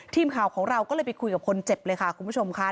ทีมข่าวของเราก็เลยไปคุยกับคนเจ็บเลยค่ะคุณผู้ชมค่ะ